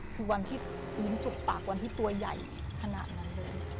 คือวันที่ยิ้มจุกปากวันที่ตัวใหญ่ขนาดนั้นเลย